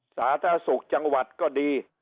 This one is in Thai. สาธารณสุขจังหวัดก็ดี